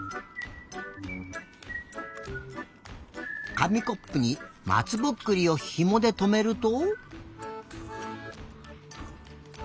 かみコップにまつぼっくりをひもでとめると。